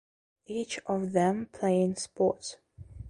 Each of them playing sports.